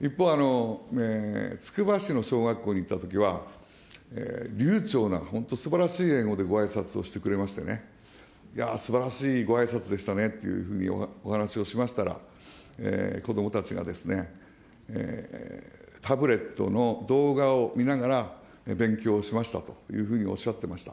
一方、つくば市の小学校に行ったときは、流ちょうな、本当すばらしい英語でごあいさつをしてくれましてね、いやー、すばらしいごあいさつでしたねというふうにお話をしましたら、子どもたちがですね、タブレットの動画を見ながら勉強しましたというふうにおっしゃってました。